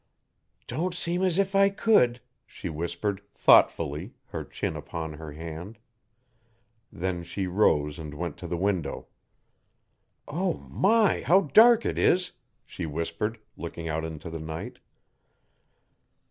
'Don't seem as if I could,' she whispered, thoughtfully, her chin upon her hand. Then she rose and went to the window. 'O my! how dark it is!' she whispered, looking out into the night.